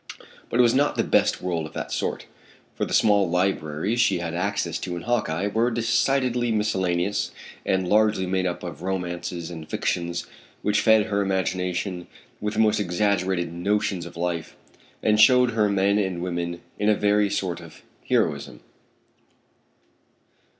But it was not the best world of that sort, for the small libraries she had access to in Hawkeye were decidedly miscellaneous, and largely made up of romances and fictions which fed her imagination with the most exaggerated notions of life, and showed her men and women in a very false sort of heroism.